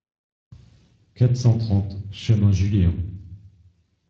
quatre cent trente chemin Jullien